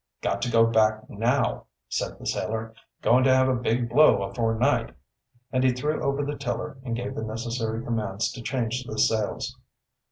"Got to go back, now," said the sailor. "Going to have a big blow afore night." And he threw over the tiller and gave the necessary commands to change the sails.